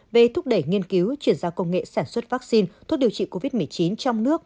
về thúc đẩy nghiên cứu chuyển giao công nghệ sản xuất vaccine thuốc điều trị covid một mươi chín trong nước